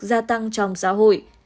gia tăng trong xã hội